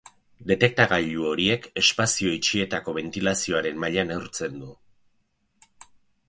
Detektagailu horiek espazio itxietako bentilazioaren maila neurtzen du.